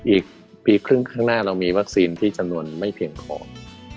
อีกปีครึ่งข้างหน้าเรามีวัคซีนที่จำนวนไม่เพียงพอ